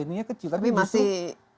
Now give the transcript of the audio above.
ini kecil tapi masih